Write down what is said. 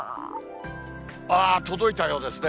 あー、届いたようですね。